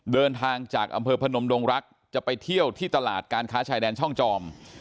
เดินทางจากอำเภอพนมดงรักจะไปเที่ยวที่ตลาดการค้าชายแดนช่องจอม